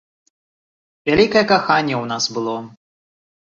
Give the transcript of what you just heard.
Вялікае каханне ў нас было.